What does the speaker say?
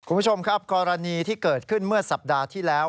คุณผู้ชมครับกรณีที่เกิดขึ้นเมื่อสัปดาห์ที่แล้ว